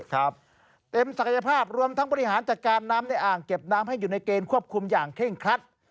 เต็มศักยภาพรวมทั้งบริหารจัดการน้ำในอ่างเก็บน้ำให้อยู่ในเกณฑ์ควบคุมอย่างเคร่งครัด